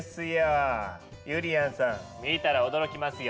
ゆりやんさん見たら驚きますよ。